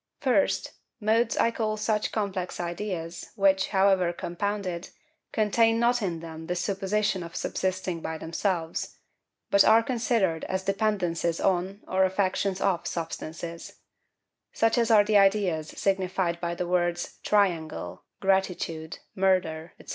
First, MODES I call such complex ideas which, however compounded, contain not in them the supposition of subsisting by themselves, but are considered as dependences on, or affections of substances;—such as are the ideas signified by the words triangle, gratitude, murder, &c.